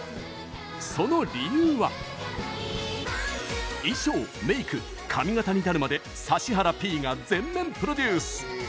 その理由は、衣装、メイク髪型に至るまで指原Ｐが全面プロデュース！